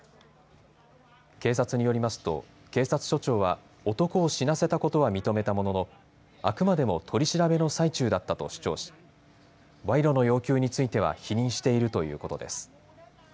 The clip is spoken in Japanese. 警察によりますと警察署長は男を死なせたことは認めたもののあくまでも取り調べの最中だったと主張し、賄賂の要求については否認しているということです。